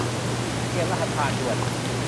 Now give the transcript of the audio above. เปลี่ยนรหัสผ่านด่วน